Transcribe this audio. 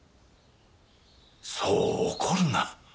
そう怒るな。